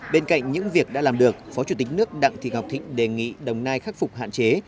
bên cạnh những việc đã làm được phó chủ tịch nước đặng thị ngọc thịnh đề nghị đồng nai khắc phục hạn chế